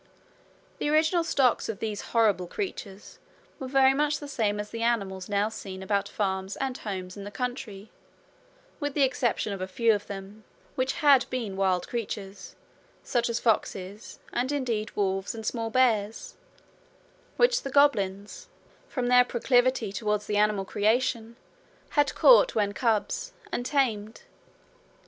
The original stocks of these horrible creatures were very much the same as the animals now seen about farms and homes in the country, with the exception of a few of them, which had been wild creatures, such as foxes, and indeed wolves and small bears, which the goblins, from their proclivity towards the animal creation, had caught when cubs and tamed.